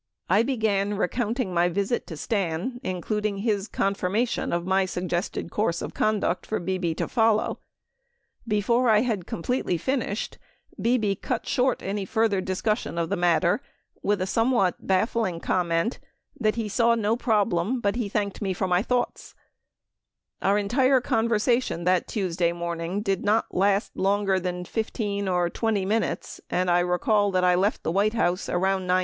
I began recounting my visit with Stan, including his con firmation of my suggested course of conduct for Bebe to follow, and before I had completely finished, Bebe cut short further discussion of the matter with a somewhat baffling comment, that he saw no problem but he thanked me for my thoughts Our entire conversation that Tuesday morning did not last longer than 15 or 20 minutes, and I recall that I left the White House around 9a.